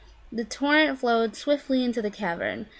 The torrent flowed swiftly into the cavern.